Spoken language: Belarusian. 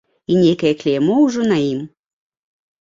І нейкае кляймо ўжо на ім.